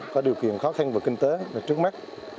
có điều kiện khó khăn về kinh tế trước mắt